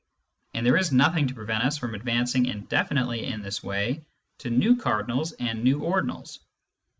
And there is nothing to prevent us from advancing indefinitely in this way to new cardinals and new ordinals.